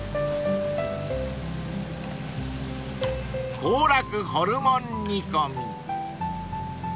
［幸楽ホルモン煮込み］